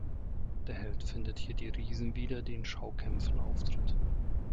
Der Held findet hier die Riesin wieder, die in Schaukämpfen auftritt.